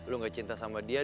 lu gak cinta sama dia